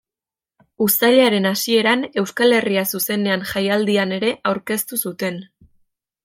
Uztailaren hasieran Euskal Herria Zuzenean jaialdian ere aurkeztu zuten.